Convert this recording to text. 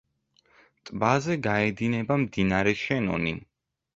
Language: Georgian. ტბაზე გაედინება მდინარე შენონი.